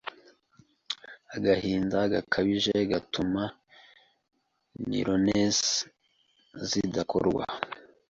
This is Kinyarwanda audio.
Agahinda gakabije gatuma neurones zidakorwa